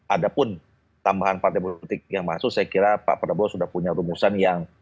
ada pun tambahan partai politik yang masuk saya kira pak prabowo sudah punya rumusan yang